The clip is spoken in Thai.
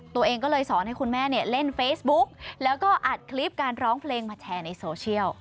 ตัวเองก็เลยสอนให้คุณแม่เล่นเฟซบุ๊กแล้วก็อัดคลิปการร้องเพลงมาแชร์ในโซเชียล